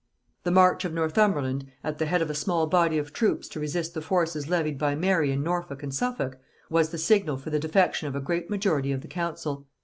The march of Northumberland at the head of a small body of troops to resist the forces levied by Mary in Norfolk and Suffolk, was the signal for the defection of a great majority of the council.